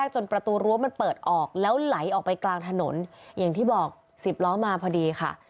จิ๊บล้อมาพอดีค่ะ